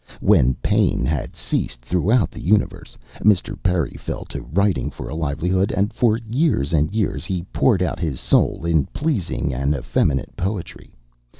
When pain had ceased throughout the universe Mr. Perry fell to writing for a livelihood, and for years and years he poured out his soul in pleasing and effeminate poetry....